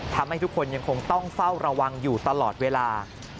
ทำให้ทุกคนยังคงต้องเฝ้าระวังอยู่ตลอดเวลา